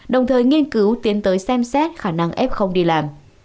đồng thời nghiên cứu tiến tới xem xét khả năng f đi làm